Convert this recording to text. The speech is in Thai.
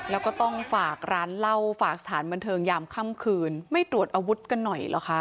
แล้วก็ต้องฝากร้านเหล้าฝากสถานบันเทิงยามค่ำคืนไม่ตรวจอาวุธกันหน่อยเหรอคะ